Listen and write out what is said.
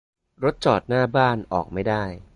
รถจอดหน้าบ้าน ออกไม่ได้